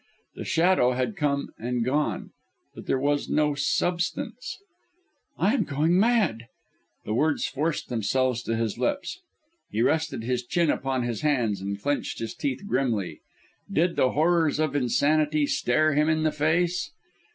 The shadow had come and gone ... but there was no substance! "I am going mad!" The words forced themselves to his lips. He rested his chin upon his hands and clenched his teeth grimly. Did the horrors of insanity stare him in the face!